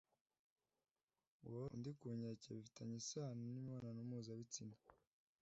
Guhoza undi ku nkeke bifitanye isano n’imibonano mpuzabitsina;